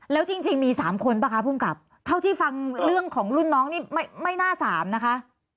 แล้วจริงมี๓คนป่ะคะภูมิกับเท่าที่ฟังเรื่องของรุ่นน้องนี่ไม่น่าสามนะคะ